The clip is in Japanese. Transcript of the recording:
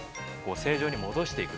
正常に戻していく。